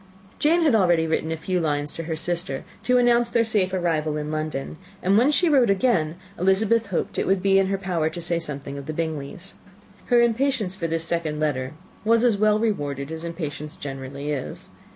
Jane had already written a few lines to her sister, to announce their safe arrival in London; and when she wrote again, Elizabeth hoped it would be in her power to say something of the Bingleys. Her impatience for this second letter was as well rewarded as impatience generally is.